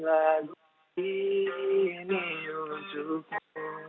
lagu ini untukmu